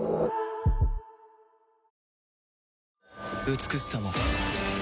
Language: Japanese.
美しさも